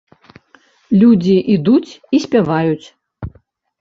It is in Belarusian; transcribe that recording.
Людзі ідуць і спяваюць!